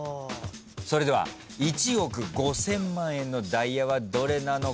それでは１億５，０００万円のダイヤはどれなのか。